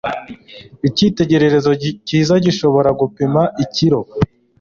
Icyitegererezo cyiza gishobora gupima ikiro.